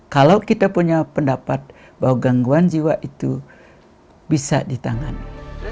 kalau kita punya pendapat bahwa gangguan jiwa itu bisa ditangani